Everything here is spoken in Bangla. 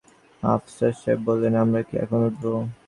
আফসার সাহেব বললেন, আমরা কি এখন উঠব?